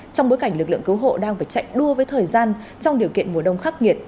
trong bối cảnh lực lượng cứu hộ đang phải chạy đua với thời gian trong điều kiện mùa đông khắc nghiệt